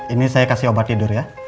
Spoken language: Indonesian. ini saya kasih obat tidur ya